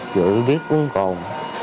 chữ biết uống còn